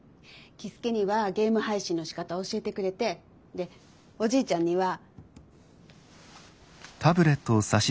樹介にはゲーム配信のしかた教えてくれてでおじいちゃんには。